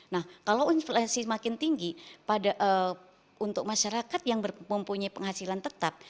nah kalau inflasi semakin tinggi untuk masyarakat yang mempunyai penghasilan tetap